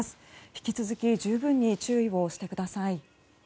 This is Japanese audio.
引き続き十分に注意をしてください。